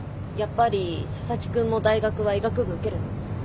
やっぱり佐々木くんも大学は医学部受けるの？